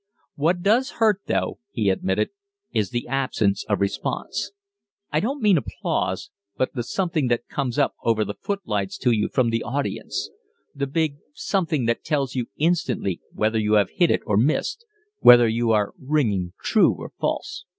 "What does hurt, though," he admitted, "is the absence of response. I don't mean applause, but the something that comes up over the footlights to you from the audience, the big something that tells you instantly whether you have hit it or missed, whether you are ringing true or false.